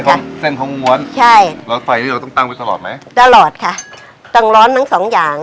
อ๋อคลนเส้นของม้วนใช่ร้อนไฟนี้เราต้องตั้งไว้ตลอดไหมตลอดค่ะตั้งร้อนทั้งสองอย่าง